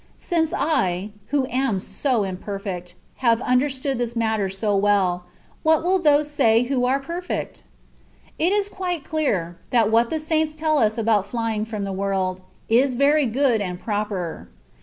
Since I, who am so imperfect, have understood this matter so well, what will those say who are perfect ? It is quite clear, that what the saints teU us about flying from the world, is very good and proper.